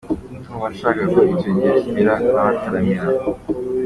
Ndumva nshaka ko icyo gihe kigera nkabataramira.